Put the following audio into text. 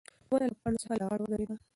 ونه له پاڼو څخه لغړه ودرېده.